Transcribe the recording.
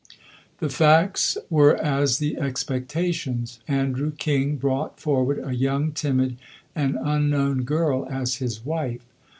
The facts were as the expectations. Andrew King brought forward a young, timid and unknown girl as his wife.